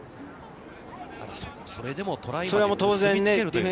ただ、それでもトライに結びつけるというね。